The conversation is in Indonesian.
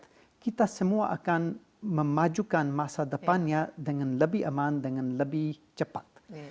karena kita semua akan memajukan masa depannya dengan lebih aman dengan lebih cepat